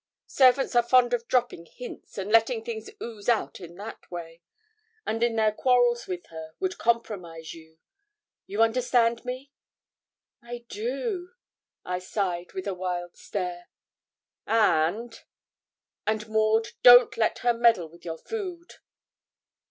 Servants are fond of dropping hints, and letting things ooze out in that way, and in their quarrels with her would compromise you you understand me?' 'I do,' I sighed, with a wild stare. 'And and, Maud, don't let her meddle with your food.'